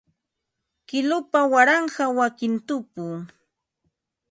Kilupa waranqa wakin tupu